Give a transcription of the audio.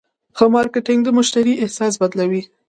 ښه مارکېټنګ د مشتری احساس بدلوي.